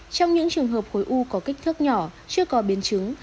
trong những trường hợp khối u có kích thước nhỏ chưa có biến chứng